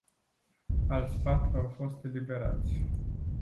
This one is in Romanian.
Alți patru au fost eliberați.